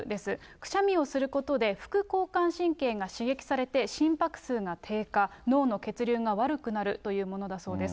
くしゃみをすることで、副交感神経が刺激されて、心拍数が低下、脳の血流が悪くなるというものだそうです。